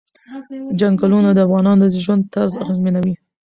چنګلونه د افغانانو د ژوند طرز اغېزمنوي.